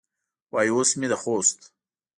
وایي اوس مې د خوست